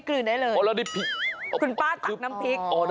ขุนป้าใจเย็นนะ